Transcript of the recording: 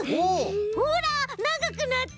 ほらながくなった！